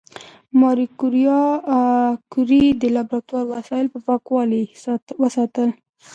ماري کوري د لابراتوار وسایل په پاکوالي وساتل.